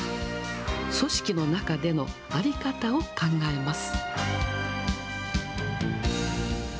組織の中での在り方を考えます。